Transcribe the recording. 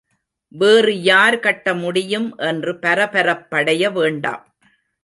வேறு யார் கட்டமுடியும் என்று பரபரப்படைய வேண்டாம்.